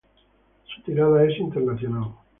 Su tirada es internacional.